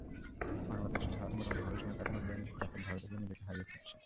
বাংলাদেশে মোটামুটি ভালো সময় কাটানো বেন ডাকেট ভারতে গিয়ে নিজেকে হারিয়ে খুঁজছেন।